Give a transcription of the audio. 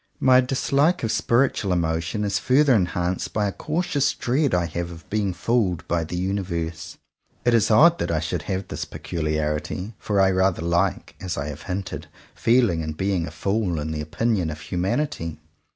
My dislike of spiritual emotion is further enhanced by a cautious dread I have of being fooled by the Universe. It is odd that I should have this peculiarity; for I rather like, as I have hinted, feeling and being a fool in the opinion of humanity.